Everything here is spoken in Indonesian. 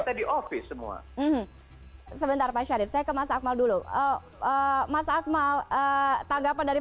jadi saya berfiahnanya gitu